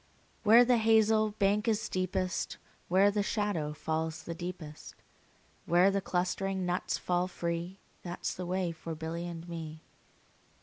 Where the hazel bank is steepest, Where the shadow falls the deepest, Where the clustering nuts fall free, 15 That 's the way for Billy and me.